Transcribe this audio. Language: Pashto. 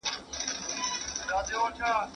¬ که مرگ غواړې کندوز ته ولاړ سه.